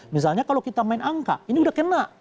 misalnya kalau kita main angka ini sudah kena